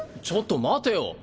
ちょっと待てよ。